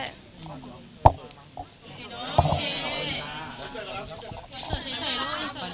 เจอเฉยด้วย